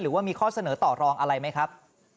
หรือว่ามีข้อเสนอต่อรองอะไรไหมครับ